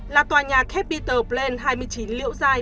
là tòa nhà capitol plain hai mươi chín liễu giai